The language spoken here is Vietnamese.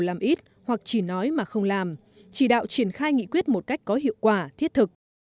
làm ít hoặc chỉ nói mà không làm chỉ đạo triển khai nghị quyết một cách có hiệu quả thiết thực